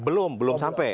belum belum sampai